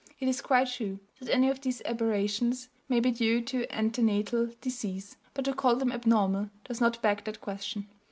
It is quite true that any of these aberrations may be due to antenatal disease, but to call them abnormal does not beg that question.